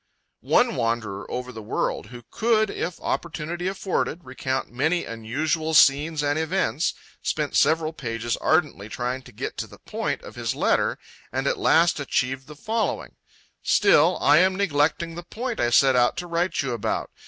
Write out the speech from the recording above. One wanderer over the world who "could, if opportunity afforded, recount many unusual scenes and events," spent several pages ardently trying to get to the point of his letter, and at last achieved the following: "Still I am neglecting the point I set out to write you about.